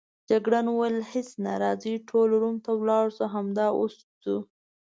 جګړن وویل: هیڅ نه، راځئ ټول روم ته ولاړ شو، همدا اوس ځو.